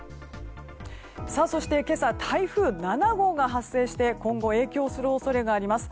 そして、今朝台風７号が発生して今後、影響する恐れがあります。